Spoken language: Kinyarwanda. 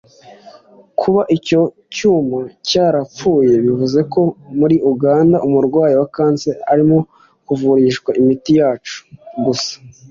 Kuba icyo cyuma cyarapfuye bivuze ko muri Uganda umurwayi wa kanseri arimo kuvurishwa imiti gusa